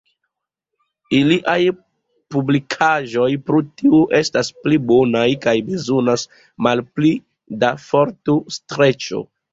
Iliaj publikaĵoj pro tio estas pli bonaj kaj bezonas malpli da fortostreĉo.